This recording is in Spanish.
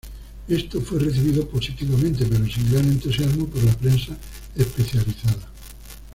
Esto fue recibido positivamente, pero sin gran entusiasmo, por la prensa especializada.